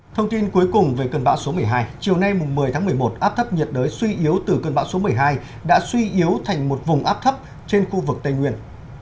thông tin cuối cùng về cơn bão số một mươi hai chiều nay một mươi tháng một mươi một áp thấp nhiệt đới suy yếu từ cơn bão số một mươi hai đã suy yếu thành một vùng áp thấp trên khu vực tây nguyên